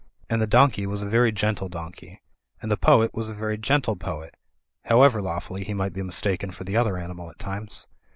And the donkey was a very gen uine donkey, and the poet was a very genuine poet; however lawfully he might be mistaken for the other animal at times.